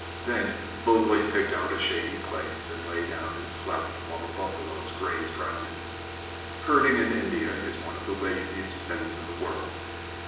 Then Mowgli picked out a shady place, and lay down and slept while the buffaloes grazed round him. Herding in India is one of the laziest things in the world.